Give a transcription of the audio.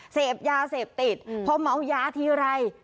เสพยาเสพติดพอเมายาทีไร